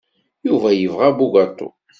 Yuba yebɣa abugaṭu.